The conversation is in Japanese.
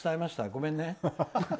ごめんね。